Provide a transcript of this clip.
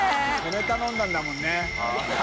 海頼んだんだもんね。